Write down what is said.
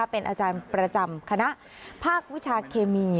เป็นอาจารย์ประจำคณะภาควิชาเคมี